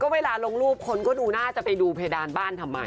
เวลาลงรูปคนก็ดูน่าจะไปดูเพดานบ้านทำไม